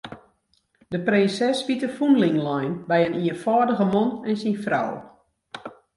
De prinses wie te fûnling lein by in ienfâldige man en syn frou.